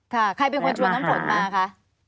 ใครเป็นคนชวนน้ำฝนมาคะ